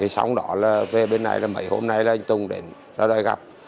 sau đó về bên này mấy hôm nay tùng đến gặp